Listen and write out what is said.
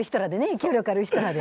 影響力ある人らで。